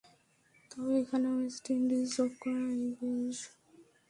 তবে এখানে West Indies যোগ হওয়ায় বেশ গোলমেলেই করে তুলেছে ব্যাপারটি।